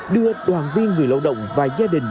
đưa đoàn viên người lao động và gia đình